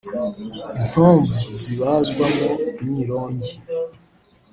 intomvu (zibazwamo imyirongi)